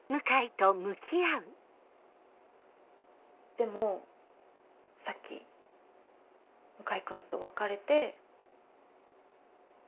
でもさっき向井君と別れて。